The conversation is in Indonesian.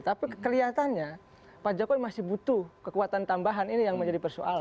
tapi kelihatannya pak jokowi masih butuh kekuatan tambahan ini yang menjadi persoalan